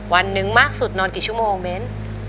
วันหนึ่งมากสุดนอนกี่ชั่วโมงเม้น